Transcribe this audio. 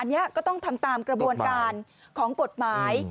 อันนี้ก็ต้องทำตามกระบวนการของกฎหมาย